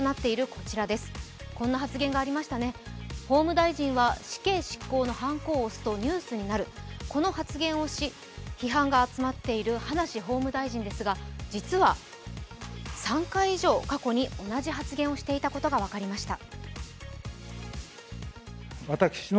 この発言をし批判が集まっている葉梨法務大臣ですが実は、３回以上、過去に同じ発言をしていたことが分かりました。